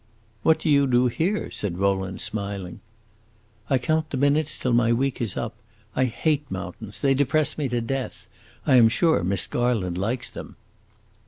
"What do you do here?" said Rowland, smiling. "I count the minutes till my week is up. I hate mountains; they depress me to death. I am sure Miss Garland likes them."